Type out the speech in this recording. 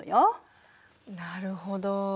なるほど。